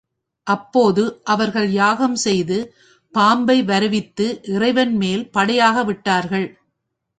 அப்போது அவர்கள் யாகம் செய்து பாம்பை வருவித்து இறைவன்மேல் படையாக விட்டார்கள்.